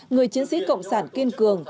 người chiến sĩ cộng sản kiên cường